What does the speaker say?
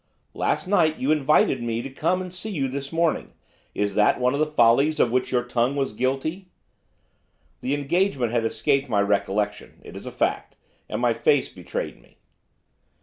'Last night you invited me to come and see you this morning, is that one of the follies of which your tongue was guilty?' The engagement had escaped my recollection it is a fact! and my face betrayed me.